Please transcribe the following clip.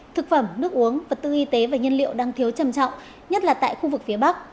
thực phẩm nước uống vật tư y tế và nhân liệu đang thiếu trầm trọng nhất là tại khu vực phía bắc